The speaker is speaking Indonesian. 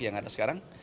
yang ada sekarang